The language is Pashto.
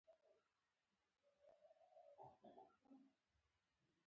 د ممپلی ګل د وینې لپاره وکاروئ